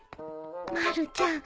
まるちゃん